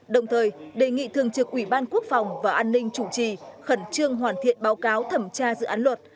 đồng thời đề nghị thường trực ủy ban quốc phòng và an ninh chủ trì khẩn trương hoàn thiện báo cáo thẩm tra dự án luật